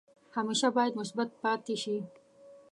همیشه باید مثبت پاتې شئ.